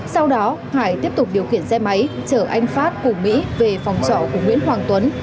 sau đó hải tiếp tục điều khiển xe máy chở anh phát cùng mỹ về phòng trọ của nguyễn hoàng tuấn